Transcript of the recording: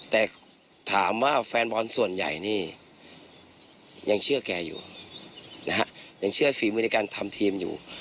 แต่ถามว่าแฟนบอลส่วนใหญ่นี่ยังเชื่อแกอยู่นะฮะยังเชื่อฝีมือในการทำทีมอยู่